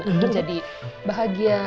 andi jadi bahagia